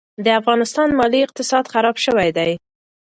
د افغانستان مالي اقتصاد خراب شوی دي.